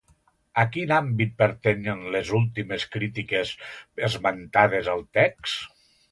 A quin àmbit pertanyen les últimes crítiques esmentades al text?